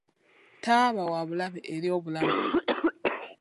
Taaba wabulabe eri obulamu.